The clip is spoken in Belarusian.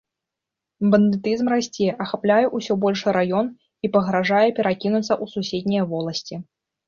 Бандытызм расце, ахапляе ўсё большы раён і пагражае перакінуцца ў суседнія воласці.